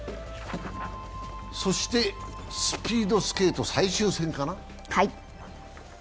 そして、スピードスケート最終戦かな？